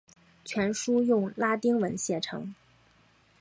全书用拉丁文写成。